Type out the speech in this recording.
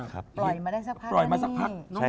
ปล่อยมาได้สักพักนี่